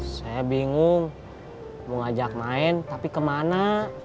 saya bingung mau ngajak main tapi kemana